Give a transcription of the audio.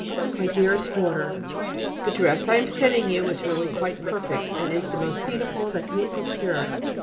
MY DEAREST DAUGHTER, The dress I am sending you is really quite perfect and is the most beautiful that can be procured.